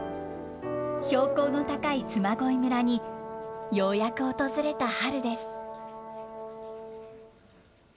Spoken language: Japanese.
標高の高い嬬恋村に、ようやく訪れた春です。